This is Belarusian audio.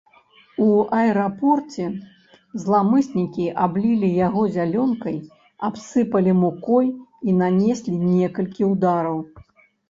У аэрапорце зламыснікі аблілі яго зялёнкай, абсыпалі мукой і нанеслі некалькі ўдараў.